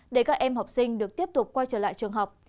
để các em học sinh được tiếp tục quay trở lại trường học